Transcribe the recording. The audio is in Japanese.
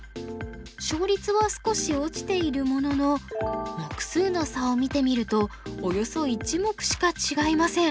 勝率は少し落ちているものの目数の差を見てみるとおよそ１目しか違いません。